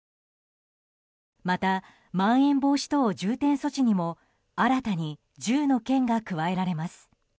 また、まん延防止等重点措置にも新たに１０の県が加えられます。